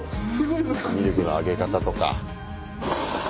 ミルクのあげ方とか。